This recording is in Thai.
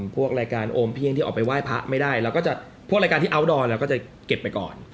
พวกรายการโอมเพียงที่ออกไปไหว้พระไม่ได้เราก็จะพวกรายการที่อัลดอร์เราก็จะเก็บไปก่อน